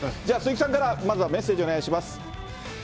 じゃあ、鈴木さんからまずはメッセージお願いします。